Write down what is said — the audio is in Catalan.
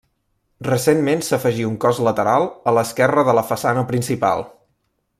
Recentment s'afegí un cos lateral a l'esquerra de la façana principal.